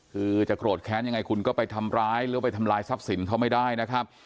คือจะโกรธแค้นยังไงคุณก็ไปทำร้ายหรือไปทำลายทรัพย์สินเขาไม่ได้นะครับ